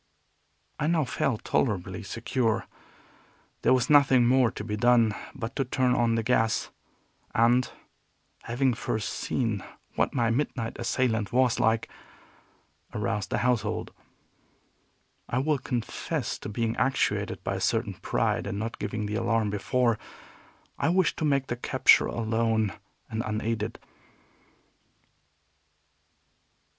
I now felt tolerably secure. There was nothing more to be done but to turn on the gas, and, having first seen what my midnight assailant was like, arouse the household. I will confess to being actuated by a certain pride in not giving the alarm before; I wished to make the capture alone and unaided.